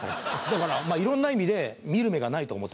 だからいろんな意味で見る目がないと思ってます。